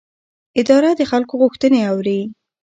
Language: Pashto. اداره د خلکو غوښتنې اوري.